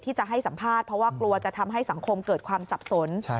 จะให้สัมภาษณ์เพราะว่ากลัวจะทำให้สังคมเกิดความสับสน